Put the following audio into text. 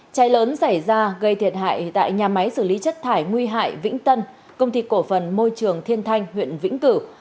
cháy lớn xảy ra gây thiệt hại tại nhà máy xử lý chất thải nguy hại vĩnh tân công ty cổ phần môi trường thiên thanh huyện vĩnh cửu